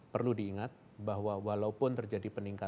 perlu diingat bahwa walaupun terjadi peningkatan